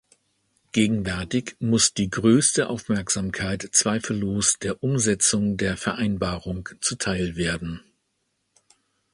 Gegenwärtig muss die größte Aufmerksamkeit zweifellos der Umsetzung der Vereinbarung zuteil werden.